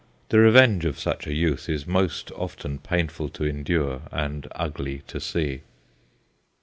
The revenge of such a youth is most often painful to endure and ugly to see.